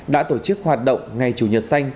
đã tổ chức hoạt động ngày chủ nhật xanh